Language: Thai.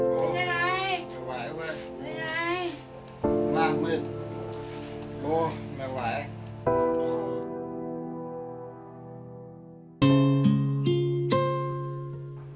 หัวขึ้นมาหงายท้องแบบนี้ครับ